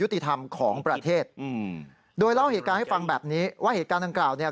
อืมโดยเล่าเหตุการณ์ให้ฟังแบบนี้ว่าเหตุการณ์ดังกล่าวเนี่ย